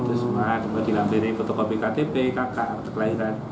itu semua itu juga dilampiri fotokopi ktp kakak arti kelahiran